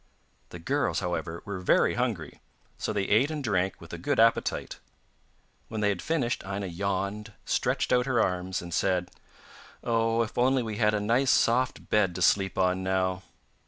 The girls, however, were very hungry, so they ate and drank with a good appetite. When they had finished Aina yawned, stretched out her arms and said: 'Oh, if only we had a nice soft bed to sleep on now!